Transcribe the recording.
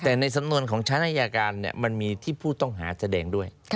แต่ในสำนวนของชั้นอายการมันมีที่ผู้ต้องหาแสดงด้วย